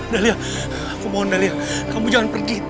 dalia aku mohon dalia kamu jangan pergi